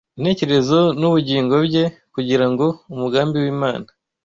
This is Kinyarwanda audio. intekerezo n’ubugingo bye kugira ngo umugambi w’Imana